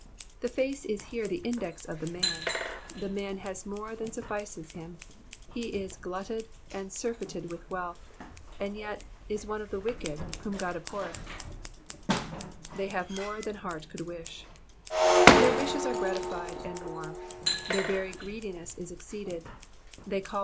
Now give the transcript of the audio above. The face is here the index of the man : the man has more than suffices him ; he is glutted and surfeited with wealth, and yet is one of the wicked whom God abhorreth. "They have mare than heart could wish.'''' Their wishes are gratified, and more * their very greediness is exceeded ; they call Digitized by VjOOQIC PSALM THE SEVEXTY THIBD.